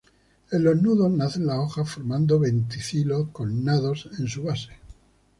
En los nudos nacen las hojas formando verticilos connados en su base.